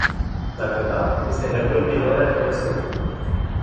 Dacă da, este nevoie de luarea de măsuri.